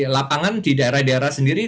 lapangan di daerah daerah sendiri